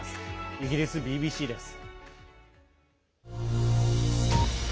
イギリスＢＢＣです。